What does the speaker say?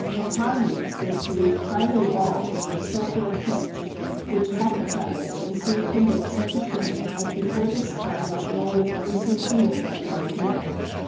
Upon these they threw fiery balls made of sulphur and pitch, which caught the fagots, and soon kindled such a flame as before this time no one had ever seen kindled by the art of man.